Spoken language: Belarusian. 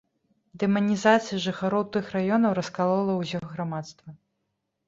Дэманізацыя жыхароў тых раёнаў раскалола ўсё грамадства.